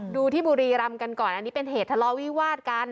ดูที่บุรีรำกันก่อนอันนี้เป็นเหตุทะเลาะวิวาดกัน